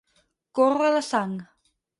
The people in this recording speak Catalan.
Córrer la sang.